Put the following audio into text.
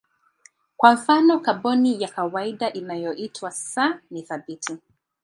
Kwa mfano kaboni ya kawaida inayoitwa C ni thabiti.